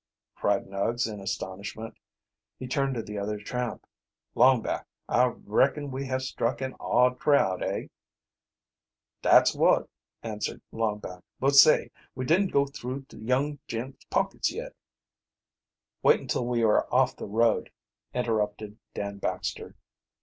cried Nuggs, in astonishment. He turned to the other tramp. "Longback, I reckon we have struck an odd crowd, hey?" "Dat's wot," answered Longback. "But say, we didn't go through de young gent's pockets yet." "Wait until we are off the road," interrupted Dan Baxter.